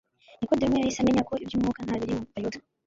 Nikodemu yahise amenya ko iby'Umwuka nta biri mu Bayuda.